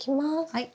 はい。